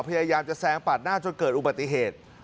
พยายามจะแซงปาดหน้าจนเกิดอุบัติเหตุ